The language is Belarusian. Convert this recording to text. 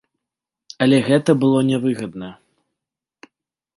Але гэта было не выгадна.